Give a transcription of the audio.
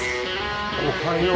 おはよう。